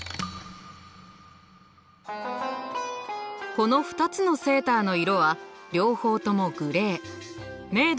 この２つのセーターの色は両方ともグレー明度も同じです。